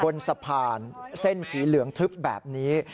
บนสะพานเส้นสีเหลืองทึบแบบนี้